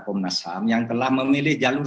komnasam yang telah memilih jalur